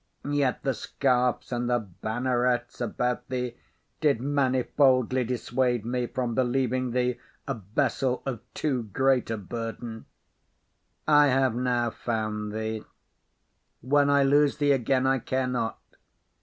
Yet the scarfs and the bannerets about thee did manifoldly dissuade me from believing thee a vessel of too great a burden. I have now found thee; when I lose thee again I care not.